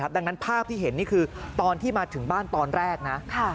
ดังนั้นภาพที่เห็นนี่คือตอนที่มาถึงบ้านตอนแรกนะ